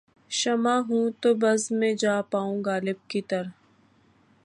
شمع ہوں‘ تو بزم میں جا پاؤں غالب کی طرح